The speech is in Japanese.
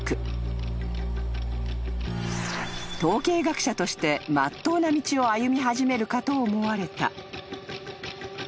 ［統計学者としてまっとうな道を歩み始めるかと思われた］